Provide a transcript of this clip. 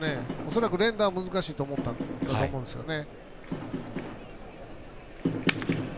恐らく連打は難しいと思ったんだと思うんですよね。